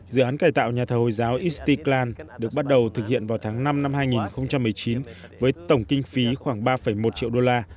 dự án cải tạo nhà thờ hồi giáo isticlan được bắt đầu thực hiện vào tháng năm năm hai nghìn một mươi chín với tổng kinh phí khoảng ba một triệu đô la